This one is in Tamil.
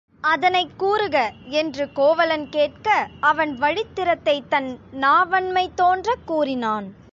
அதனைக் கூறுக என்று கோவலன் கேட்க அவன் வழித்திறத்தைத் தன் நாவன்மை தோன்றக் கூறினான்.